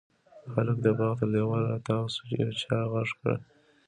هلک د باغ تر دېواله را تاو شو، يو چا غږ کړل: